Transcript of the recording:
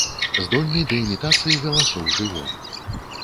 Здольны да імітацыі галасоў жывёл.